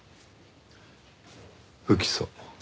不起訴。